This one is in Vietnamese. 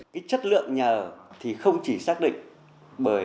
cái chất lượng nhà thì không chỉ xác định bởi